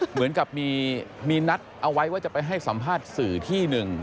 เหมือนกับมีนัดเอาไว้ว่าจะไปให้สัมภาษณ์สื่อที่หนึ่ง